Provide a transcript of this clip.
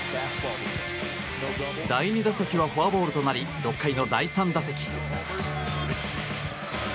第２打席はフォアボールとなり６回の第３打席。